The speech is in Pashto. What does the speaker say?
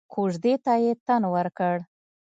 کوژدې ته يې تن ورکړ.